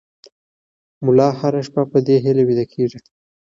ملا هره شپه په دې هیله ویده کېږي.